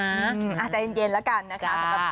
ใจเย็นแล้วกันนะคะ